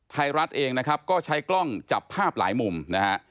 ไทยรัฐเองนะครับก็ใช้กล้องจับภาพหลายมุมนะฮะ